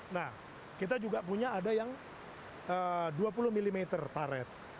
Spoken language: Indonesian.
nah kita juga punya ada yang dua puluh mm paret